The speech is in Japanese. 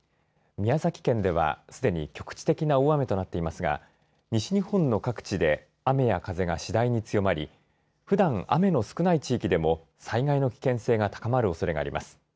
宮崎県ではすでに局地的な大雨となっていますが西日本の各地で雨や風が次第に強まりふだん雨の少ない地域でも災害の危険性が高まるおそれがあります。